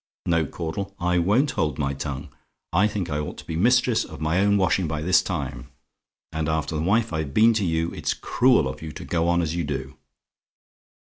No, Caudle! I WON'T HOLD MY TONGUE. I think I ought to be mistress of my own washing by this time and after the wife I've been to you, it's cruel of you to go on as you do.